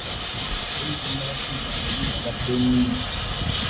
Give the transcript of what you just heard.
Olw'ensonga ya ssente, amayumba gatulemye.